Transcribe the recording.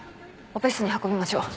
オペ室に運びましょう。